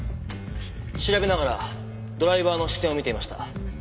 調べながらドライバーの視線を見ていました。